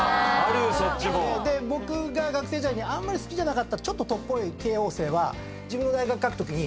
で僕が学生時代にあんまり好きじゃなかったちょっととっぽい慶應生は自分の大学書くときに。